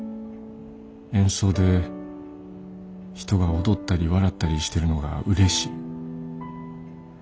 演奏で人が踊ったり笑ったりしてるのがうれしい。